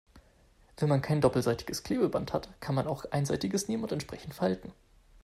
Wenn man kein doppelseitiges Klebeband hat, kann man auch einseitiges nehmen und entsprechend falten.